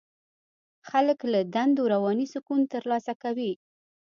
خلک له دندو رواني سکون ترلاسه کوي.